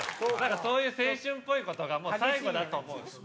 そういう青春っぽい事がもう最後だと思うんですよ。